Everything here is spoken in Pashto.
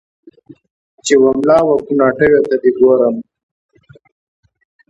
چې و مـــلا و کوناټیــــو ته دې ګورم